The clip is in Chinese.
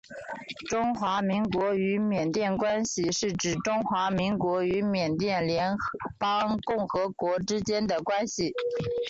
中华民国与缅甸关系是指中华民国与缅甸联邦共和国之间的关系。